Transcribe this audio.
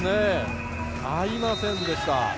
合いませんでした。